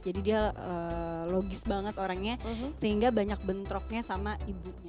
jadi dia logis banget orangnya sehingga banyak bentroknya sama ibunya